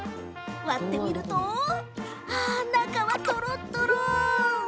割ってみると中はとろとろ。